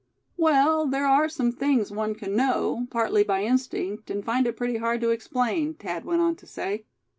"Well, there are some things one can know, partly by instinct, and find it pretty hard to explain," Thad went on to say.